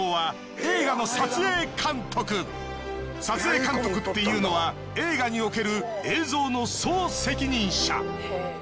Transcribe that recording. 撮影監督っていうのは映画における映像の総責任者。